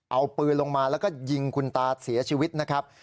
เอาปืนลงมาแล้วก็ยิงคุณตาเสียชีวิตนะครับ